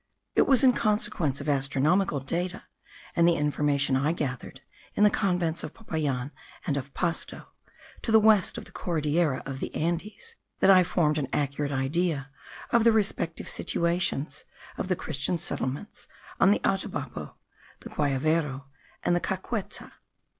It was in consequence of astronomical data, and the information I gathered in the convents of Popayan and of Pasto, to the west of the Cordillera of the Andes, that I formed an accurate idea of the respective situations of the christian settlements on the Atabapo, the Guayavero, and the Caqueta.